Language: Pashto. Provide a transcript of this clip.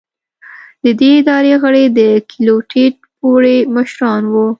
د دې ادارې غړي د کلیو ټیټ پوړي مشران وو.